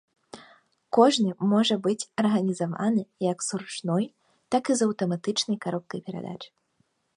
Кожны можа быць арганізавана як з ручной, так і з аўтаматычнай каробкай перадач.